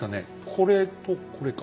これとこれか。